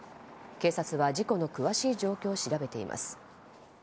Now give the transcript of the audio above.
警察は事故の詳しい状況を調べています。